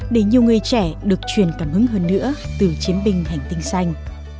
để nhiều người trẻ được truyền cảm hứng hơn nữa từ chiến binh hành tinh xanh